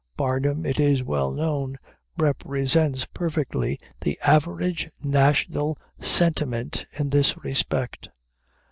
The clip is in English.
Barnum, it is well known, represents perfectly the average national sentiment in this respect.